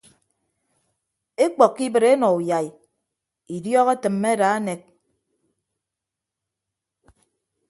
Ekpọkkọ ibịt enọ uyai idiọk etịmme ada unek.